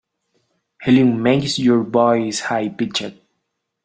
Helium makes your voice high pitched.